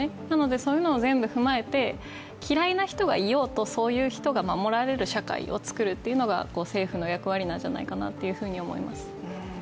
そういうのを全部踏まえて嫌いな人がいようとそういう人が守られる社会を作るというのが政府の役割なんじゃないかなと思います。